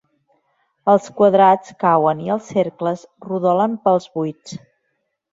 Els quadrats cauen i els cercles rodolen pels buits.